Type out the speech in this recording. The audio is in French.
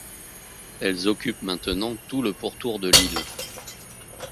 Elles occupent maintenant tout le pourtour de l'île.